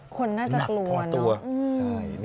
คนน่าจะกลัวเนอะ